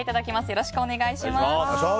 よろしくお願いします。